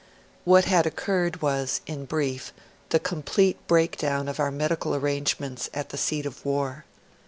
What had occurred was, in brief, the complete breakdown of our medical arrangements at the seat of war.